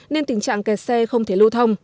nên tình trạng kẻ xe không thể lưu thông